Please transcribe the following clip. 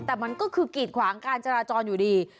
แต่มันก็คือกีดขวางการจราจรอยู่ดี